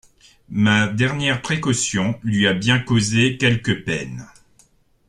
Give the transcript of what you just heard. Ma dernière précaution lui a bien causé quelque peine!...